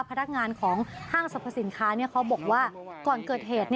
พนักงานของห้างสรรพสินค้าเขาบอกว่าก่อนเกิดเหตุ